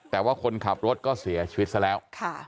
แต่ว่าคนขับรถก็เสียชีวิตซะแล้ว